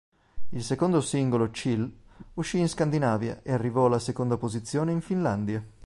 Il secondo singolo "Chill" uscì in Scandinavia e arrivò alla seconda posizione in Finlandia.